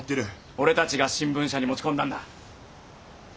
俺たちが新聞社に持ち込んだんだ。